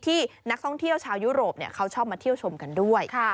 ที่นักท่องเที่ยวชาวยุโรปเขาชอบมาเที่ยวชมกันด้วย